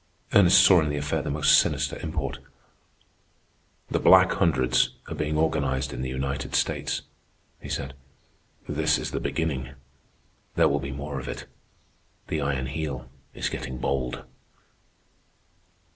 Ernest saw in the affair the most sinister import. "The Black Hundreds are being organized in the United States," he said. "This is the beginning. There will be more of it. The Iron Heel is getting bold."